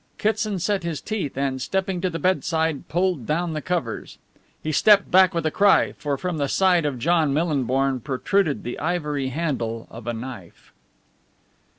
Kitson set his teeth and, stepping to the bedside, pulled down the covers. He stepped back with a cry, for from the side of John Millinborn protruded the ivory handle of a knife.